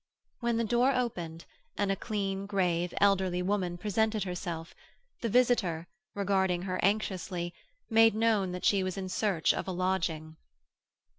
When the door opened, and a clean, grave, elderly woman presented herself, the visitor, regarding her anxiously, made known that she was in search of a lodging.